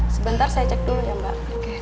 sebentar saya cek dulu ya mbak